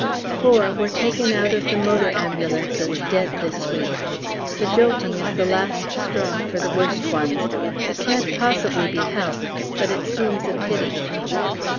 Four were taken out of the motor ambulances dead this week; the jolting is the last straw for the worst ones; it can't possibly be helped, "but it seems a pity."